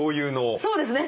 そうですね。